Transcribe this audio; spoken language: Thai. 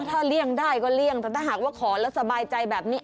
ถ้าเลี่ยงได้ก็เลี่ยงแต่ถ้าหากว่าขอแล้วสบายใจแบบนี้